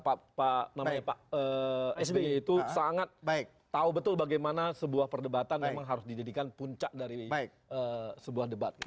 pak sby itu sangat tahu betul bagaimana sebuah perdebatan memang harus dijadikan puncak dari sebuah debat